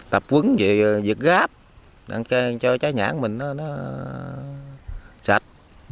thương hiệu là cây giống là cây giống để cho đàng sĩ nhãn his có ngành strangers hei